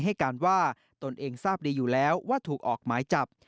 ให้การว่าตนเองทราบดีอยู่แล้วว่าถูกออกหมายจับ